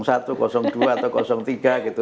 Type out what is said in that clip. satu dua atau tiga gitu